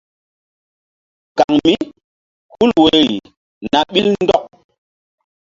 Kan mí hul woyri na ɓil ndɔk.